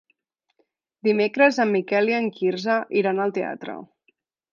Dimecres en Miquel i en Quirze iran al teatre.